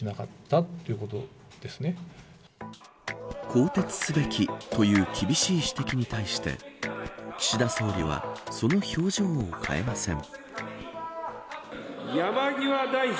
更迭すべきという厳しい指摘に対して岸田総理はその表情を変えません。